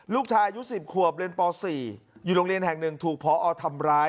ลูกชายอายุ๑๐ขวบเรียนป๔อยู่โรงเรียนแห่งหนึ่งถูกพอทำร้าย